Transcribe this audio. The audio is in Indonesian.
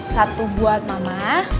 satu buat mama